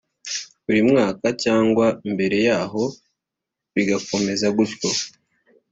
buri mwaka cyangwa mbere yaho bigakomeza gutyo